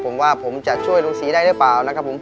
สวัสดีครับ